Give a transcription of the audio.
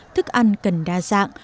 thức ăn cần đa dạng